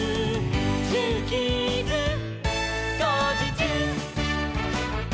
「ジューキーズ」「こうじちゅう！」